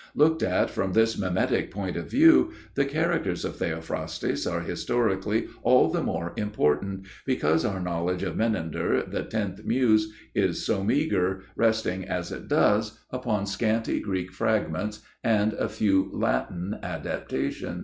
Looked at from this mimetic point of view, The Characters of Theophrastus are historically all the more important, because our knowledge of Menander, the "tenth muse," is so meagre, resting, as it does, upon scanty Greek fragments and a few Latin adaptations.